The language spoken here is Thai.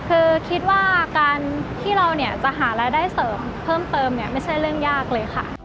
คือคิดว่าการที่เราจะหารายได้เสริมเพิ่มไม่ใช่เรื่องยากเลยค่ะ